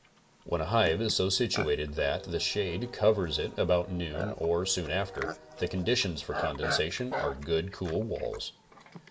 When a hive is so situated that the shade covers it about noon or soon thereafter, the conditions for condensation are good, cool walls.